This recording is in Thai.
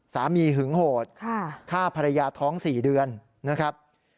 หึงโหดฆ่าภรรยาท้อง๔เดือนนะครับ